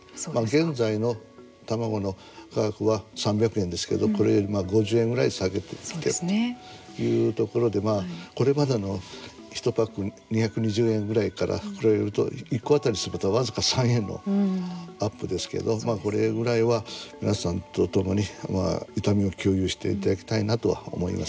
現在の卵の価格は３００円ですけどこれ、５０円ぐらい下げていってるというところでこれまでの１パック２２０円ぐらいから比べると１個当たりにすると僅か３円のアップですけどまあ、これぐらいは皆さんと共に痛みを共有していただきたいなとは思います。